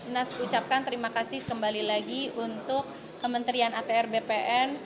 mas ucapkan terima kasih kembali lagi untuk kementerian atr bpn